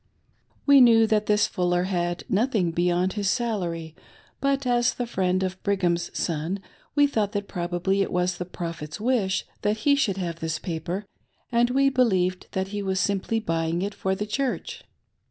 We knew that this Mr. Fuller had nothing beyond his salary, but, as the friend of Brigham's son, we thought that probably it was the Prophet's wish that he should have this paper and we believed that he was simply buying it for the Church.